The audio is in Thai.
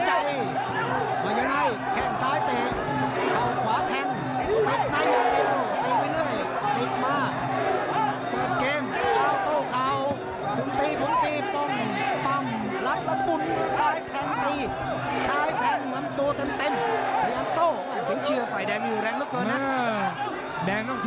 ต้องเดินไว้นะครับนี่ตองเอเดินลงความมั่นใจ